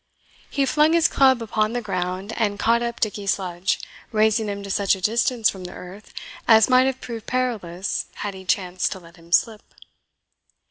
He flung his club upon the ground, and caught up Dickie Sludge, raising him to such a distance from the earth as might have proved perilous had he chanced to let him slip.